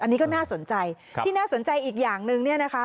อันนี้ก็น่าสนใจที่น่าสนใจอีกอย่างหนึ่งเนี่ยนะคะ